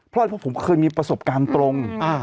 เพราะผมเคยมีประสบการณ์ตรง